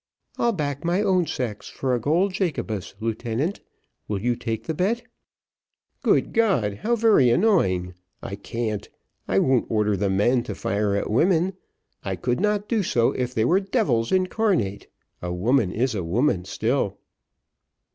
I'll back my own sex for a gold Jacobus, lieutenant: will you take the bet?" "Good God, how very annoying! I can't, I won't order the men to fire at women; I could not do so if they were devils incarnate; a woman is a woman still."